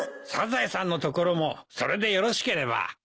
サザエさんのところもそれでよろしければ。